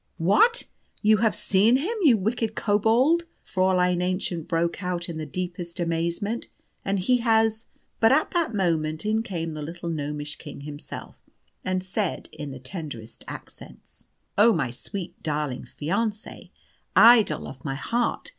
"What, you have seen him, the wicked Cobold?" Fräulein Aennchen broke out in the deepest amazement. "And he has " But at that moment in came the little gnomish King himself, and said, in the tenderest accents, "Oh, my sweet, darling fiancée! Idol of my heart!